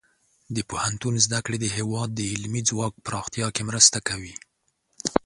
د پوهنتون زده کړې د هیواد د علمي ځواک پراختیا کې مرسته کوي.